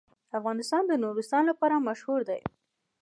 افغانستان د نورستان لپاره مشهور دی.